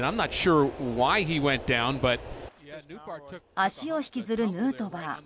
足を引きずるヌートバー。